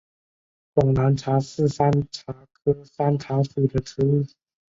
广南茶是山茶科山茶属的植物。